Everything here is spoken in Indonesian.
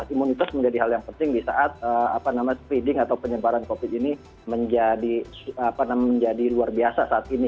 imunitas menjadi hal yang penting di saat speeding atau penyebaran covid ini menjadi luar biasa saat ini